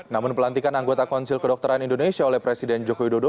namun pelantikan anggota konsil kedokteran indonesia oleh presiden joko widodo